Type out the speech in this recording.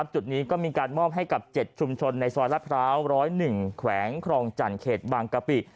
จุดนี้ก็มีการมอบให้กับ๗ชุมชนในซอยลาดพร้าว๑๐๑แขวงครองจันทร์เขตบางกะปิ